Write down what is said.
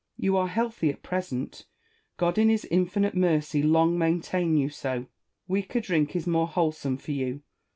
You are healthy at present : God in his infinite mercy long maintain you so ! Weaker drink is more wholesome for you.